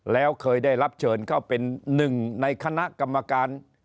แล้วเคยได้รับเชิญเข้าเป็นหนึ่งในคณะกรรมการ